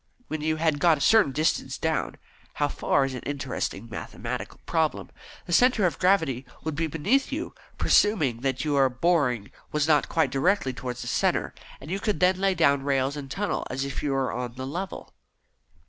When you had got a certain distance down how far is an interesting mathematical problem the centre of gravity would be beneath you, presuming that your boring was not quite directed towards the centre, and you could then lay down rails and tunnel as if you were on the level."